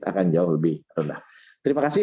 akan jauh lebih rendah terima kasih